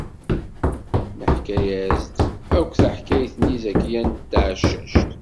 Neḥka-as-d akk taḥkayt-nni i Zakiya n Tɛeccact.